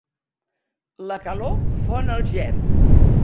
La calor fon el gel.